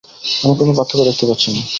আমি কোনো পার্থক্য দেখতে পাচ্ছি না।